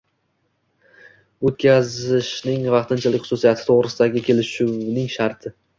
o‘tkazishning vaqtinchalik xususiyati to‘g‘risidagi kelishuvning sharti